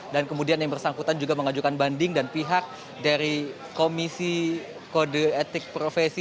dan kemudian yang bersangkutan juga mengajukan banding dan pihak dari komisi kode etik profesi